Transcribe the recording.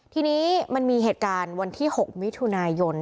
ทีนี้มันมีเหตุการณ์วันที่๖มิถุนายน